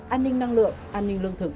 an ninh năng lượng an ninh lương thực